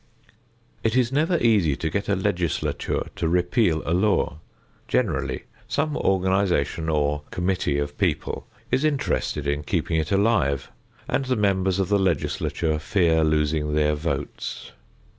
It is never easy to get a Legislature to repeal a law. Generally some organization or committee of people is interested in keeping it alive, and the members of the Legislature fear losing their votes.